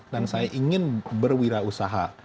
dan saya ingin berwirausaha